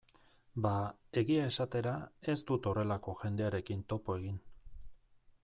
Ba, egia esatera, ez dut horrelako jendearekin topo egin.